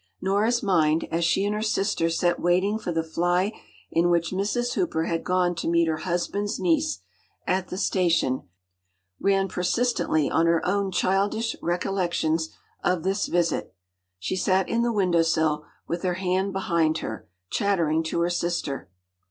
Nora’s mind, as she and her sister sat waiting for the fly in which Mrs. Hooper had gone to meet her husband’s niece at the station, ran persistently on her own childish recollections of this visit. She sat in the window sill, with her hand behind her, chattering to her sister.